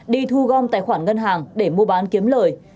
đi thu gom tài khoản ngân hàng để mua bán kiếm lời